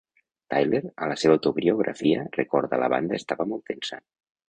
Tyler, a la seva autobiografia, recorda: "La banda estava molt tensa.